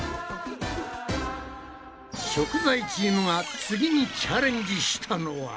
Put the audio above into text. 食材チームが次にチャレンジしたのは？